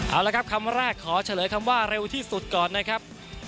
เอาละครับคำแรกขอเฉลยคำว่าเร็วที่สุดก่อนนะครับ